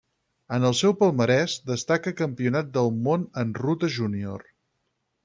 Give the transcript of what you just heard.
En el seu palmarès destaca Campionat del món en ruta júnior.